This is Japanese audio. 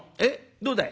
どうだい？